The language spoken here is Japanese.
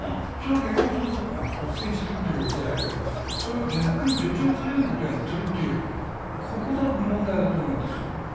逆に、率先してるというわけじゃないけど、それを逆に助長するようなことをやってるという、ここが問題だと思うんですよ。